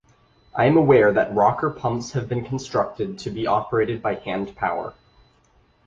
I am aware that rocker pumps have been constructed to be operated by handpower.